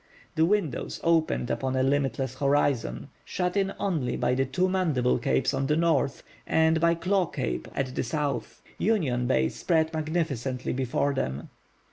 The windows opened upon a limitless horizon, shut in only by the two Mandible Capes on the north and by Claw Cape at the south. Union Bay spread magnificently before them.